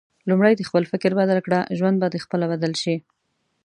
لومړی د خپل فکر بدل کړه ، ژوند به د خپله بدل شي